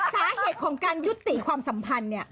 สาเหตุของการยุติความสัมพันธ์